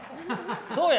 そうや。